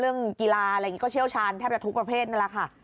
เรื่องกีก็เชี่ยวชาญแทบจะทุกประเภทนั้นแหละค่ะ